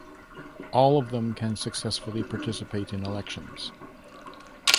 All of them can successfully participate in elections.